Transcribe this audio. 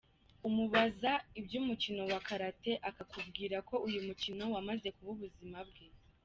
Umubaza iby’umukino wa Karate, akakubwira ko uyu mukino wamaze kuba ubuzima bwe.